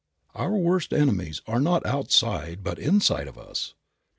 Our worst enemies are not outside but inside of us.